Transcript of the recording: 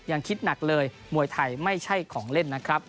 ยังคิดหนักเลยมวยไทยไม่ใช่ของเล่นนะครับ